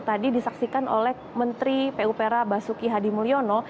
tadi disaksikan oleh menteri pupera basuki hadimulyono